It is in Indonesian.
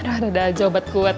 aduh ada aja obat kuat